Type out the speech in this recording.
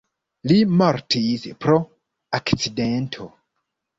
Li mortis pro akcidento.